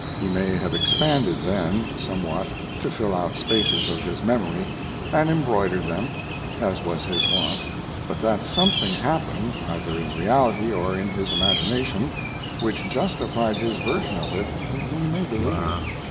He may have expanded then somewhat to fill out spaces of his memory, and embroidered them, as was his wont; but that something happened, either in reality or in his imagination, which justified his version of it we may believe.